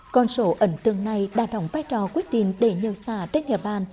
con sổ ẩn tương này đã đồng vai trò quyết định để nhau xà trên nhà bàn